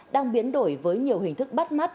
đang biến đổi với nhiều hình thức bắt mắt